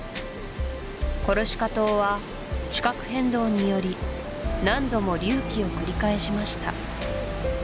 コルシカ島は地殻変動により何度も隆起を繰り返しました